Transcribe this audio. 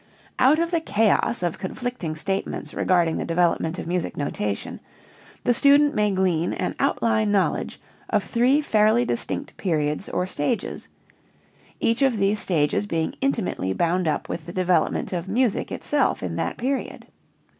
Out of the chaos of conflicting statements regarding the development of music notation, the student may glean an outline knowledge of three fairly distinct periods or stages, each of these stages being intimately bound up with the development of music itself in that period.